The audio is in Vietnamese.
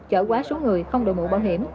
chở quá số người không đội mũ bảo hiểm